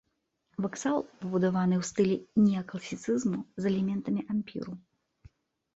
Вакзал пабудаваны ў стылі неакласіцызму з элементамі ампіру.